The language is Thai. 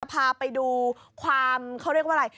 พาไปดูความเขาเรียกว่าอะไร